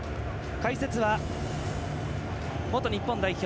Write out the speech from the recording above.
解説は元日本代表